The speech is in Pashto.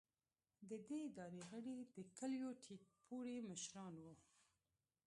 د دې ادارې غړي د کلیو ټیټ پوړي مشران وو.